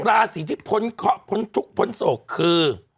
ราศีที่พ้นเคาะพ้นทุกข์พ้นโศกคือ